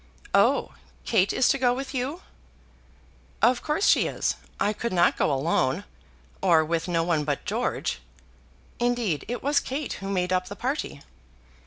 "Oh! Kate is to go with you?" "Of course she is. I could not go alone, or with no one but George. Indeed it was Kate who made up the party."